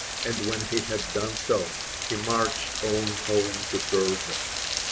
And when he had done so, he marched on home to Persia.